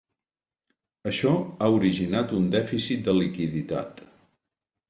Això ha originat un dèficit de liquiditat.